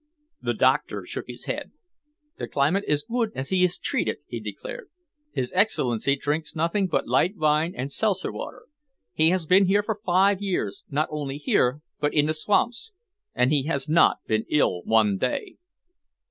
The doctor shook his head. "The climate is good as he is treated," he declared. "His Excellency drinks nothing but light wine and seltzer water. He has been here for five years, not only here but in the swamps, and he has not been ill one day."